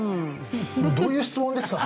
どういう質問ですか？